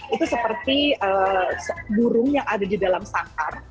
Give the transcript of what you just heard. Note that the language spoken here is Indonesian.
itu seperti burung yang ada di dalam sangkar